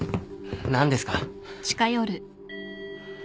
何ですか？